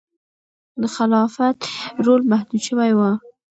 د خلافت رول محدود شوی و.